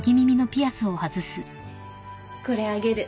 これあげる